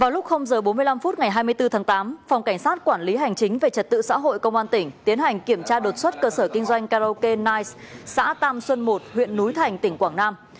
vào lúc h bốn mươi năm phút ngày hai mươi bốn tháng tám phòng cảnh sát quản lý hành chính về trật tự xã hội công an tỉnh tiến hành kiểm tra đột xuất cơ sở kinh doanh karaoke nige xã tam xuân một huyện núi thành tỉnh quảng nam